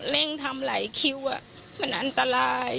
เร่งทำหลายคิวมันอันตราย